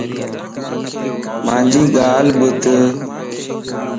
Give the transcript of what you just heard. مانجي ڳالهه ٻڌ